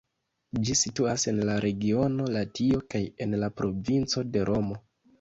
Ĝi situas en la regiono Latio kaj en la provinco de Romo.